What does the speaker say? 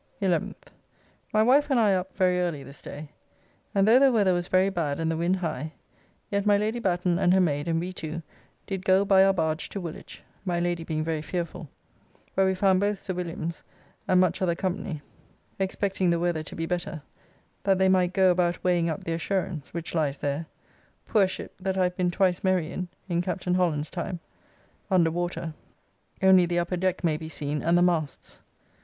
11th. My wife and I up very early this day, and though the weather was very bad and the wind high, yet my Lady Batten and her maid and we two did go by our barge to Woolwich (my Lady being very fearfull) where we found both Sir Williams and much other company, expecting the weather to be better, that they might go about weighing up the Assurance, which lies there (poor ship, that I have been twice merry in, in Captn. Holland's time,) under water, only the upper deck may be seen and the masts.